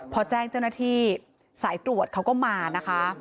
พอแจ้งเจ้าหน้าที่สายตรวจเขาก็มานะคะ